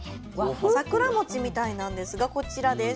桜餅みたいなんですがこちらです。